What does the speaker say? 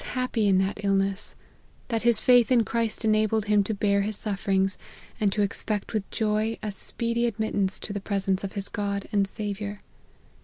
happy in that illness, that his faith in Christ ena bled him to bear his sufferings, and to expect with joy a speedy admittance to the presence of his God and Saviour.